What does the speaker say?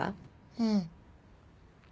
うん。